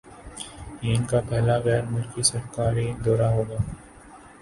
یہ ان کا پہلا غیرملکی سرکاری دورہ ہوگا